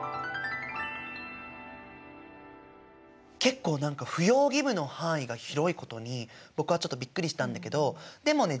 結構何か扶養義務の範囲が広いことに僕はちょっとびっくりしたんだけどでもね